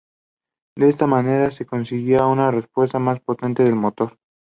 De esta manera se conseguía una respuesta más potente del motor.